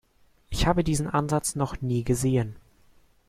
Ich habe diesen Ansatz noch nie gesehen.